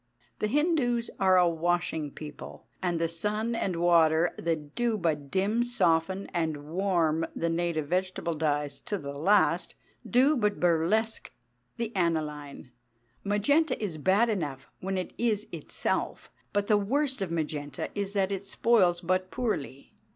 The Hindus are a washing people; and the sun and water that do but dim, soften, and warm the native vegetable dyes to the last, do but burlesque the aniline. Magenta is bad enough when it is itself; but the worst of magenta is that it spoils but poorly.